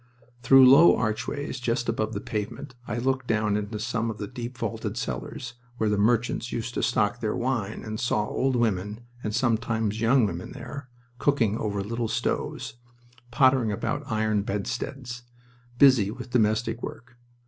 Through low archways just above the pavement, I looked down into some of the deep vaulted cellars where the merchants used to stock their wine, and saw old women, and sometimes young women there, cooking over little stoves, pottering about iron bedsteads, busy with domestic work.